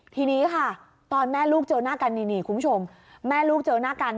ทีนี้ค่ะตอนแม่ลูกเจอหน้ากันนี่คุณผู้ชมแม่ลูกเจอหน้ากัน